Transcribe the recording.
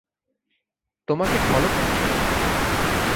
তোমাকে ফলো করছে?